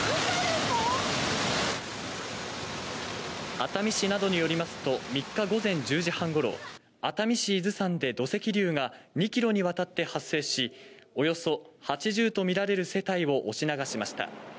熱海市などによりますと３日午前１０時半ごろ熱海市伊豆山で土石流が２ｋｍにわたって発生しおよそ８０とみられる世帯を押し流しました。